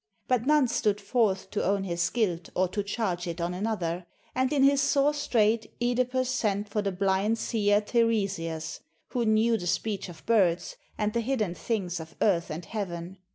But none stood forth to own his guilt or to charge it on another; and in his sore strait (Edipus sent for the blind seer Teiresias, who knew the speech of birds and the hidden things of earth and heaven.